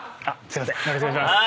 よろしくお願いします。